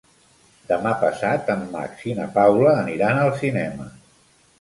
Demà passat en Max i na Paula aniran al cinema.